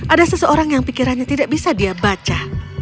ada seseorang yang pikirannya tidak bisa dia baca